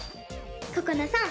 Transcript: ここなさん